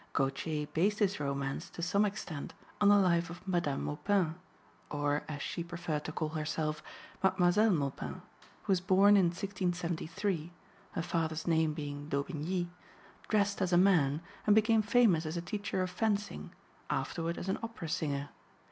Gautier based his romance to some extent on the life of Madame Maupin or, as she preferred to call herself, Mademoiselle Maupin, who was born in 1673 (her father's name being d'Aubigny), dressed as a man, and became famous as a teacher of fencing, afterward as an opera singer.